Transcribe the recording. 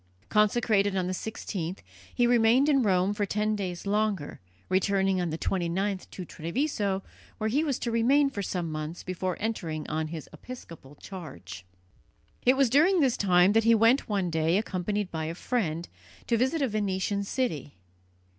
Consecrated on the 16th, he remained in Rome for ten days longer, returning on the 29th to Treviso, where he was to remain for some months before entering on his episcopal charge. It was during this time that he went one day, accompanied by a friend, to visit a Venetian city.